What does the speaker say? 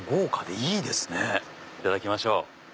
いただきましょう。